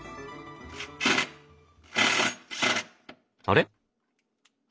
あれ？